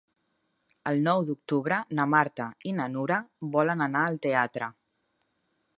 El nou d'octubre na Marta i na Nura volen anar al teatre.